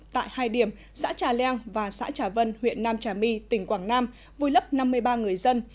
tại hai điểm xã trà leng và xã trà vân huyện nam trà my tỉnh quảng nam vùi lấp năm mươi ba người dân